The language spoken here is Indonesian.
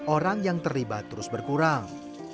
orang yang terlibat terus berkurang